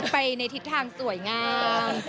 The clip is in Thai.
ไปในทิศทางสวยงาม